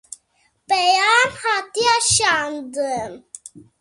Peyam hatiye şandin